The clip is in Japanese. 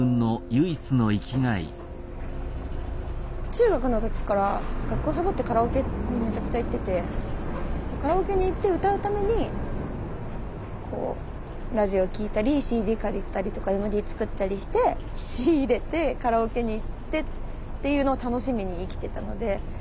中学の時から学校サボってカラオケにめちゃくちゃ行っててカラオケに行って歌うためにラジオ聞いたりＣＤ借りたりとかＭＤ作ったりして仕入れてカラオケに行ってっていうのを楽しみに生きてたので。